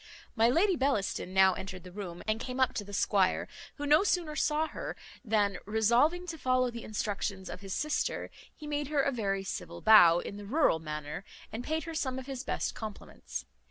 My Lady Bellaston now entered the room, and came up to the squire, who no sooner saw her, than, resolving to follow the instructions of his sister, he made her a very civil bow, in the rural manner, and paid her some of his best compliments.